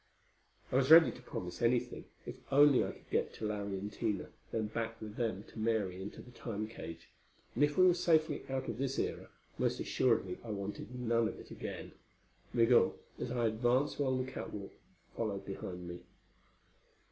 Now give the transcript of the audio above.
I was ready to promise anything, if only I could get to Larry and Tina, then back with them to Mary into the Time cage; and if we were safely out of this era, most assuredly I wanted none of it again. Migul, as I advanced along the catwalk, followed behind me.